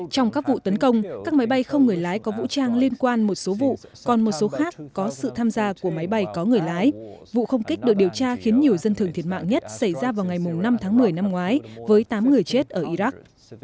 trong các vụ tấn công các máy bay không người lái có vũ trang liên quan một số vụ còn một số khác có sự tham gia của máy bay có người lái vụ không kích được điều tra khiến nhiều dân thường thiệt mạng nhất xảy ra vào ngày năm tháng một mươi năm ngoái với tám người chết ở iraq